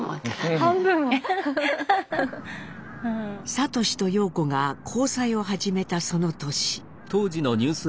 智と様子が交際を始めたその年。